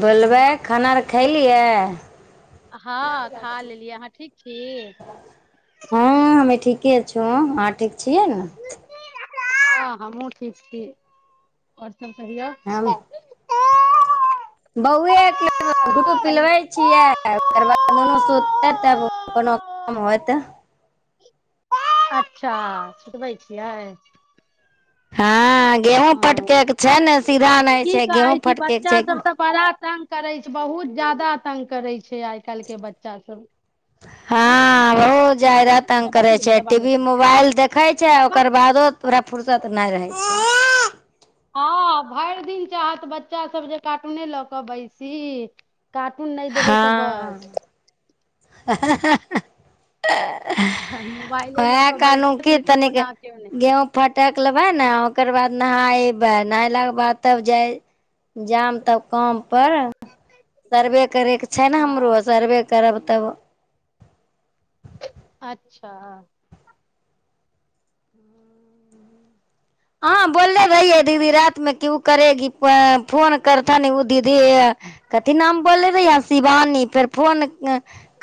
बोलबै खाना अर खलियै हँ हमे ठीके छी त आहां ठीक छियै ने हँ हमहुँ ठीक छी आओर सब कहिय बउएके गुटू पिलबै छियै ओकर बाद दुनू सुतते तब कोनो काम होयतै अच्छा सुतबै छियै हँ गेहूं फटके के छै ने सीधा नहि की छै गेहूँ कहै छी फटकेके बच्चा सब छै तऽ बड़ा तंग करै छै बहुत जादा तंग करै छै आइ काल्हि के बच्चासभ हँ बहुत जादा तंग करै छै टीवी मोबाइल देखै छै ओकर बादो तोरा फुर्सत नहि रहै छै हँ भरि दिन चाहत बच्चा सब जे कार्टूने लऽ क बैसी कार्टून नहि देबै तऽ बस हहहह उहे कहनौ की तनिक गेहूं फटक लेबै ने ओकर बाद नहायबै नहलाके बाद तब जाय जाम तब काम पर सर्वे करयके छै ने हमरो सर्वे करब तब अच्छा अहां बोलले रहियै दीदी रातिमे कि ओ करेगी फोन करथिन ओ दीदी कथी नाम बोलले रहिये शिवानी फेर फोन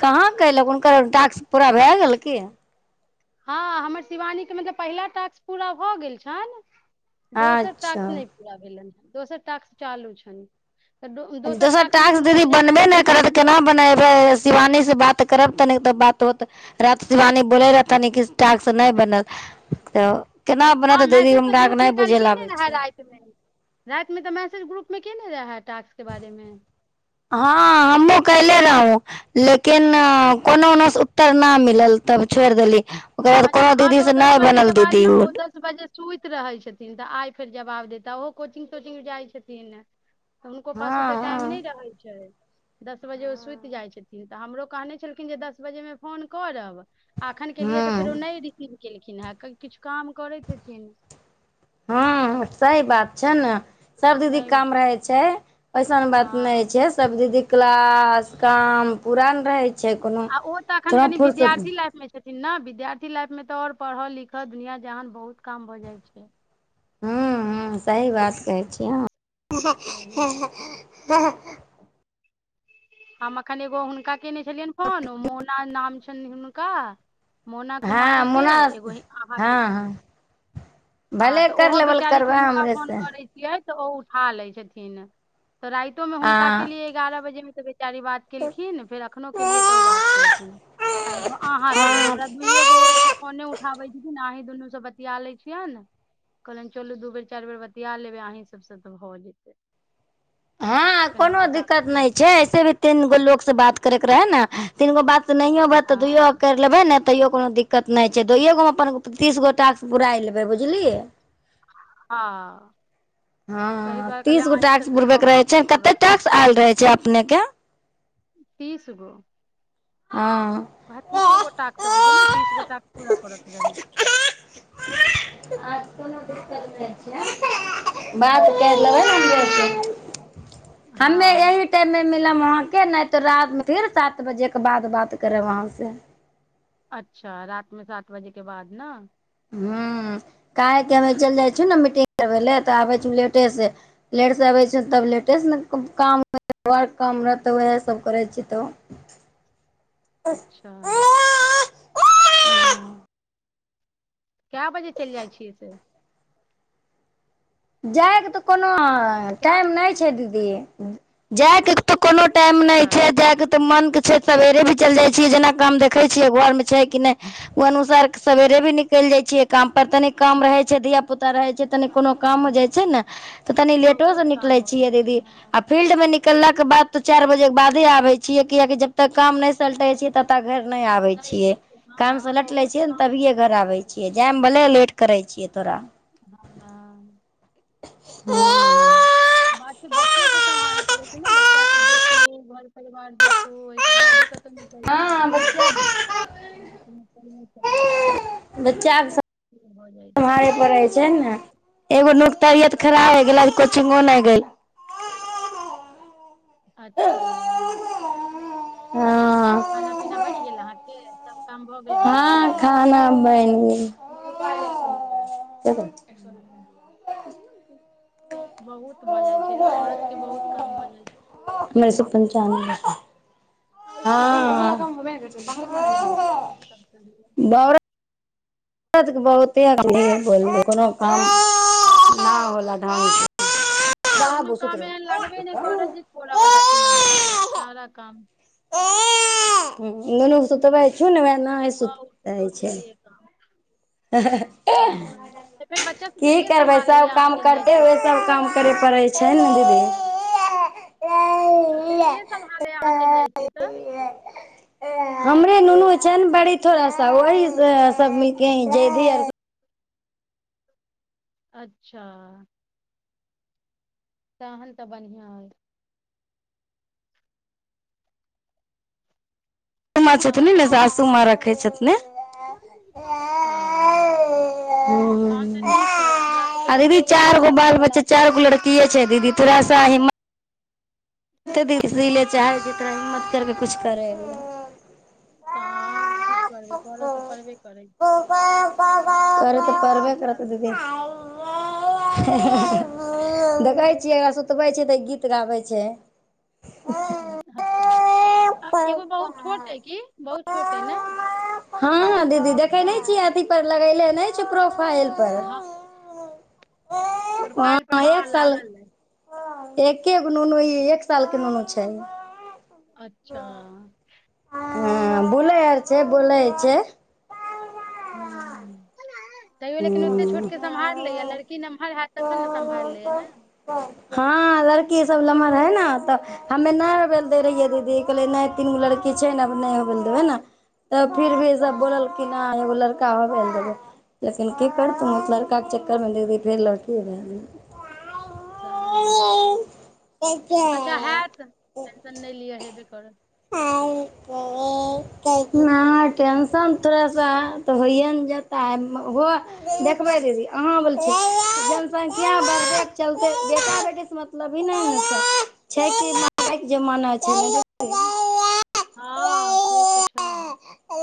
कहाँ कयलक हुनकर टास्क पूरा भए गेल की हँ हमर शिवानीेक मतलब पहिला टास्क पूरा भऽ गेल छन दोसर टास्क अच्छा नहि पूरा भेलन दोसर टास्क चालू छैन दोसर टास्क दीदी बनबे नहि करत केना बनेबै शिवानी से बात करब तनि तऽ बात होत रात शिवानी बोलै रहथिन कि टास्क नहि बनल तऽ केना बनत हँ दीदी मैसेज तऽ हमरा आरके नहि ग्रुपमे काइल बुझै लए केने आबै रहे छै रातिमे रातिमे तऽ मै सेज ग्रुपमे केने रेहए हँ हमू कयले र हूं लेकिन कोनो ओनोसँ उत्तर नहि मिलल तब छोड़ि देली ओकर बाद अच्छा कोनो हँ दीदी तऽ ओ से दस नहि बनल बजेके बाद दीदी ने ओ दस बजे सुति रहैत छथिन तऽ आइ फेर जवाब देता ओहो कोचिंग तोचिंग जाइ छथिन तऽ हुनको पास ओते हँ टाइम हँ नहि रहै छै दस बजे ओ सुति जाइ छथिन तऽ हमरो कहने छलखिन जे दस बजेमे फोन करब आखन केेलियए तऽ फेरो हूँ नहि रिसीव केलखिन हें कि किछु हँ सैह बात छै ने सब दीदी काम रहै छै ऐसन बात नहि छै सब दीदी क्लास काम पूरा ने रहै छै कोनो आ ओ तऽ अखन थोड़ा कनि फुर्सत विद्यार्थी लाइफ मे छथिन न विद्यार्थी लाइफ मे तऽ आओर पढ़ऽ लिखह दुनिया जहान बहुत काम भऽ जाइ छै हुं हुं सही बात कहै छिय [unintelligible] हम अखन एगो हुनका कैने छलियन फोन मोना नाम छै कनी हुनका मोना कुमारी हँ के मुनास एगो ह हँ अहांके कयलुं हँ हँ भले तऽ कर ओहो लेबल बेचारीेके करबै हुनका हमरे फोन से करैत छियै तऽ ओ उठा लै छथिन तऽ राइतोंमे हुनका हँ केलियै एगारह बजेमे चारी बात केलखिन फेर अखनो केलियै तऽ ओ बात केलखिन आ एगो अहांके हँ हमरा दुइए गो एगो फोने उठाबै छथिन अंहीं दुनू से बतिया लै छियैन कहलनि चलू दू बेर चारि बेर बतिया लेबै अहीँ सभसँ तऽ भऽ जेतै हँ कोनो दिक्कत नहि छै ऐसे भी तीनगो लोक से बात करैके रहै ने तीन गो बात तऽ नहियो बात तऽ दुइयो करि लेबै ने तैयो कोनो दिक्कत नहि छै दुइए गोमे हम अपन तीस गो टास्क पुराइ लेबै बुझलियै हँ हँ तीस गो टैक्स बुरबेके रहै छै कतेक टाक्स आयल रहै छै नेके तीसगो हँ उहे तीसे गो टास्क अबै छै ने तीस गो टास्क पूरा करयके रहै छै बात करि लेबै न हमरो औरके हम्मे एहि टाइममे कय लेम अहाँ के नहि तऽ रात फिर सात बजे के बाद बात करब आहाँसँ अच्छा रातमे सात बजे के बाद न हं काहेकि हमे चलि जाइ छियौ ने मीटिंग करबै लए तऽ आबै छ लेटेसँ लेटसँ आबै छ तब लेटेसँ ने काम काम रह तऽ उएह सभ करैत छी तऽ अच्छा कए बजे चलि जाइ छियै से जाएके तऽ कोनो ह टाइम नहि छै दीदी जाएके तऽ कोनो टाइम नहि छै जाय के तऽ मन के छै सवेरे भी चल जाय छियै जेना काम देखे छियै घरमे छै कि नहि ओ अनुसार सवेरे भी निकल जाय छियै काम पर तनी काम रहे छै धिया पुता तऽ रहै छै तनि कोनो काम हो जाय छै न त' कनी लेटो स निकलै छियै दीदी आ फील्डमे निकल लाक बाद तो चार बजे के बादे आबे छिये किआ कि जबतक काम नै सलटे छीय तब तक घर नहि आबै छियै कामसँ लट लै छियै ने तभिए घर आबै छियै जायमे भले लेट करै छियै थोरा हुं बात छै बच्चो के सम्हारऽ पड़े छै ने बच्चा के देखू घर परिवार देखू ओहिके बादे क निकैल सकै हँ छी बच्चा ओना त' निकैल नै सकै छी क दै छै बच्चाक स सम्हारय पड़ै छै ने एगो नो तबियत खराब होइ गेल आज कोचिंगो नहि गइल' अच्छा हँ खाना पीना बनि गेल अहांके हँ खाना बनि गेल अच्छा हमर बहुत भऽ जाइ छै औरत के बहुत काम भऽ जाइ छै मेर सुपनचान हँ आ सब कहियउ त बहुत ब कोनो काम नहि होला ढंग से कोनो बाबू सुत काम एहन लागबे नहि करत जे छोड़ऽ वला छै महिला के रहो सारा काम ओ ननू सु त बै सुु ने वए न सुतै छै की करबै सभ काम करते हुए सब काम करे पड़ै छै ने दीदी तऽ फेर के सम्भालै अहाँ चलि जाइ छियै तऽ हमरे नुनू छै ने बड़ी थोड़ा सा वही सब कँहि जइभी उइभी अच्छा तहन तऽ बढ़िआँ अइ सूमां छथिन ने सासूमां रखैत छथिन नहि [unintelligible] ओ तहन तऽ नीक अइ हमरा आ सभके तऽ दीदी केओ नहि चार अइ गो बाल राखयवला बच्चा चार गो अकेले देखइ लड़किये छै छी थोड़ा सा हिम्मत ओतेक दी सी लए चाहै छै तोरा हिम्मत करि कऽ किछु करयब तऽ की करबै तोर तऽ पड़बे करै के देखतै देखैत छियै एकरा सुतबै छै तऽ गीत गाबैत छै ह अच्छा आ एगो बहुत छोट हइ क बहुत छोट हइ ने धेने छियै अथी पर लगैले नहि छै प्रो फाइल पर प्रोफाइल पर हँ लागल अय एकेगो नुनू ई एक सालके नुनू छै अच्छा हँ बोलै आर छै बोलै छै हुं हुं तैयोे लेकिन ओते हूँ छोटके सम्हार लैया लड़की नमहर हैत तखन ने सम्हारल लैय नै हँ लड़की सब लमहर है न तऽ हमे नहि होबे ल दै रहियै दीदी कहलै नहि तीनगो लड़की छै नेब नहि होबय ल देबै ने तब फिर भी सब बोललखिन हन एगो लड़ का होबय लए देबै लेकिन की करतै लड़काके चक्करमे दीदी फेर लड़की भए गेलै अच्छा गेलै हैत टेंशन नहि लिअ हेबे करत ना टेंशन थोरा सा त होइए ने जेतय हो देखबै दीदी अहाँ बोल जनसंख्या बढबयक चल ते बेटा बेटीसँ मतलब ही नहि हो छै कि मायके जमाना छल हँ से तऽ छै हे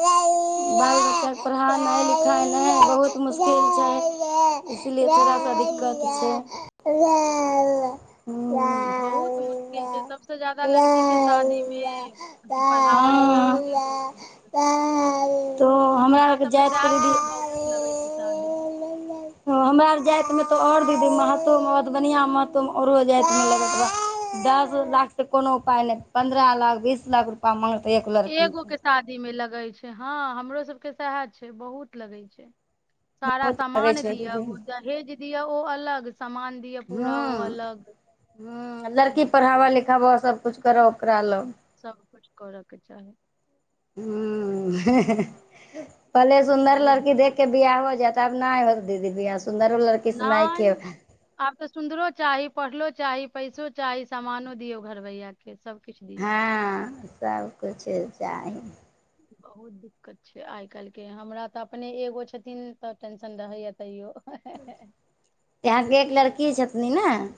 बाल बच्चाकेँ पढ़ानाइ लिखानाइ बहुत मुश्किल छै इसीलिए थोड़ा सा दिक्कत छै [unintelligible] बहुत मुश्किल छै सभसँ ज्यादा लड़कीके शादीमे अथ पढ़ाबय हँ लिखाबयमे बहुत दिक्कत तो हमरा आरके सभमे तह जातिके छै ने दीदी बहुत लगै छै शादी मे तऽओर दीदी मह म बढ़िया महतऔरो जा दस लाख से कोनो उपाय नहि पन्द्रह लाख बीस लाख रूप मगत एगो के शादी मे लग लगै छै हँ हमरो सबके सएह छै बहुत लगै छै सारा बहुत लगै समामान छै दिअ बदहेज दिय ओ अलग ह्म ह्म लड़की पढ़ाबा लिखाबा सबकुछु कर ओपराल पले सुन्दर लड़की देख के बियाह हो जात तब नहि होल दीदी बिआ सुन्दरउ लड़की से नहि केलई के सुन्दरो चाही पढ़लो चाही पैसो चाही सामानो दियो घर भैया के हँ सबकिछु चाही बहुत दिक्कत छै आइ काल् के हमरा तऽ अपने एगो छथिन तऽ टेंशन रहैया तैयो यहाँके एक लड़की छथिन ने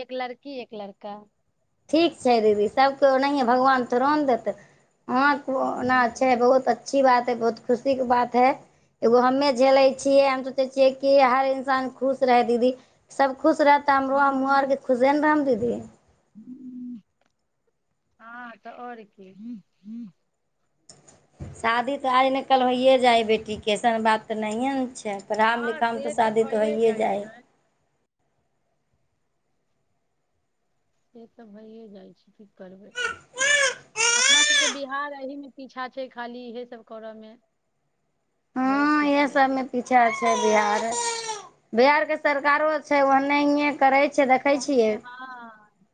एक लड़की एक लड़का ठीक छै दीदी सभके ओनाहिए भगवान तोड़ो ने देतै हँ ना छै बहुत अच्छी बात बहुत खुशी के बात है एगो हमे झेलै छियै हम सोचै छियै कि हर इन्सान खुश रहै दीदी सब खुश रहता हमो आरके खुशे ने रहम दीदी ह ह हँ तऽ आओर की शादी तऽ आज न कल होइये जाय बेटीे अऐसन बात तऽ नहिे ने छै पढ़मे लिखामे तऽ शादी तऽ होइए जाइ हइ से तऽ भइए जाइ छै की करबै हइ अपना सभके बिहार एहीमे पीछा छै खाली इएहसभ करयमे हँ इह सब मे पीछा छै बिहार बिहारके सरकारो छै ओहनाए करै छै देखै छियै ओने हँ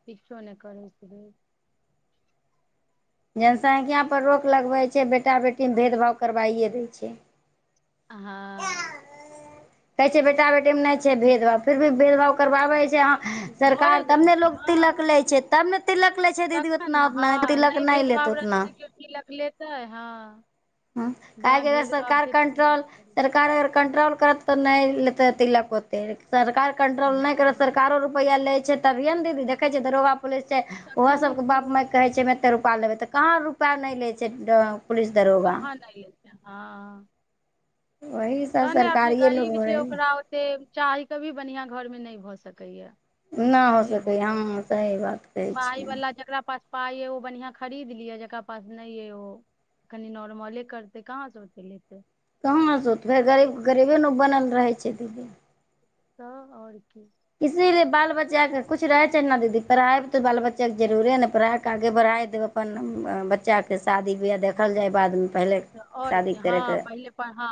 किलो ने करै छै जी जनसंख्यापर रोक लगबै छै बेटा बेटीमे भेदभाव करवाइए दै छै हँ कहै छै बेटा बेटी मे नहि छै भद भाव फिर भी भेद भाव करबाबै छै सरकार तब ने लो तिलक लै छै तब ने तिलक लै छै दीदी उतना उतना तिलक नहि लेत उतना हँ ह क सरकार कंट्रोल सरकार कंट्रोल करत तऽ नहि लेते तिलक होते सरकार कंट्रोल नहि कर सरकारो रुपैआ ले तभिय ने दी देख छिय दरोगा लै छै ओहो सबके बाप माय कहै छै कतेक रूपाआ लेबै तऽ कहाँ रुपाआ नहि लै छै पुलिस दरोगा हँ वही सब तह ने आब जे सरकारिए लोक गरीब छै भरै ने ओकरा ओते चाह क भी बढ़ियां घर मे नहि भऽ सकैया न हो सकै हँ सही बात कहै पाइ छियै वला जकरा पास पाय अइ ओ बढ़िया खरीद लिय जेकरा पास नै अइ ओ कनि नॉर्मले करते कहाँ से ओते लेत कहाँ सोतबै गरीब गरीबे न बनल रहै छ के दिल्ली तऽ आओर कि इसीलिए बाल बच्चाके कुछ रहै छै न दीदी पढ़ाइ त बाल बच्चाके जरुरे ने पढ़ाक आगे बढ़ाय देब अपन बच्चाके शादी बियाह देखल जाय बादमे पहिले त आओर शादी की हँ करयके पहिलेप हँ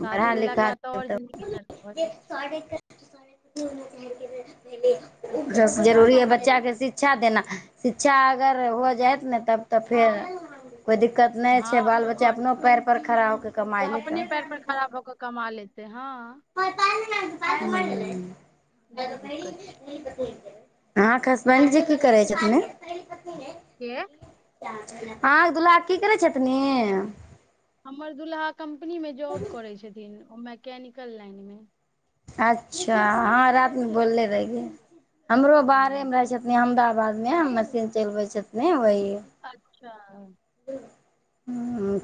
शादी पढ़ा भेलाके लिखा बाद त ओर देब जिन्दगी नर्क भ जाइ छै हू ज जरूरी हइ बच्चाके शिक्षा देना शि च्छा अगर हो जाएत ने तब त फेर कोइ दिक्कत नहि छै बाल बच्चा अपनो पैर पर खड़ा हो क कमाइ लेतै हुँ अहाँके हसबैंडजी की करै छथिन के अहाँके दुल्हा की करै छथिनि हम्मर दुल्हा कम्पनी मे जॉब करै छथिन ओ मैकैनिकल लाईन मे अच्छा हँ रात मे बोलले रै हमरो बाहरे मे रहै छथिन अहमदाबाद नहि हमर दिन चलबै छथि ने वही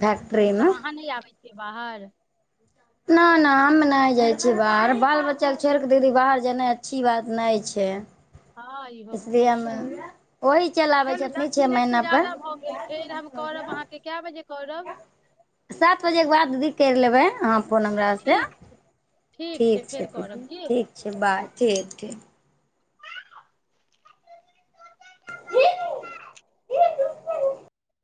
फैक्ट्री मे के बाहर न न हम नहि जाइ छि बाहर बाल बच्चाके छोड़ि क दीदी बाहर जेनाइ अच्छी बात नहि छै इसलिए हम वही चलि आबै चलू छथिन दस छः मिनटस महीना पर ज्यादा भ गेल फेर हम करब अहाँके कै बजे करब केर लबैह अहाँ फोन हमरासँ ठीक छै दीदी ठीक छै बाय ठीक ठीक इ